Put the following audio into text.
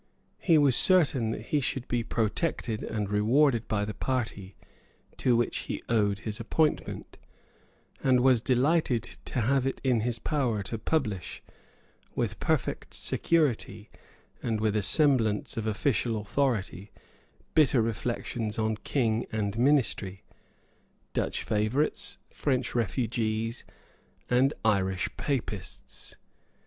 He was certain that he should be protected and rewarded by the party to which he owed his appointment, and was delighted to have it in his power to publish, with perfect security and with a semblance of official authority, bitter reflections on King and ministry, Dutch favourites, French refugees, and Irish Papists.